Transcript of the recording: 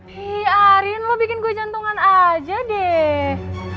hi arin lo bikin ku jantungan aja deh